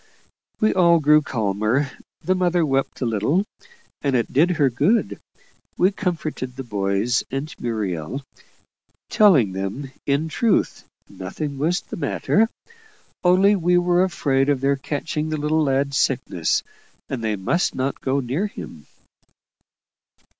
We all grew calmer; the mother wept a little, and it did her good: we comforted the boys and Muriel, telling them that in truth nothing was the matter, only we were afraid of their catching the little lad's sickness, and they must not go near him.